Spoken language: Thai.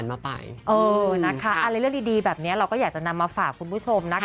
อะไรเรื่องดีแบบนี้เราก็อยากจะนำมาฝากคุณผู้ชมนะคะ